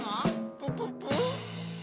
プププ？